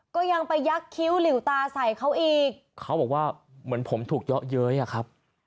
ก็ยังไปยักษ์คิ้วหลิวตาใส่เขาอีกเขาบอกว่าเหมือนผมถูกเยาะเย้ยอ่ะครับ